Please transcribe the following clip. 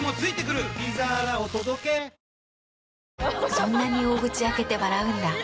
そんなに大口開けて笑うんだ。